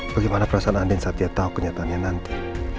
bagaimana perasaan andin saat dia tau kenyataannya nanti